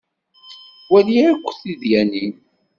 Wali akk tidyanin.